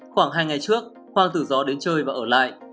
khoảng hai ngày trước hoàng tử gió đến chơi và ở lại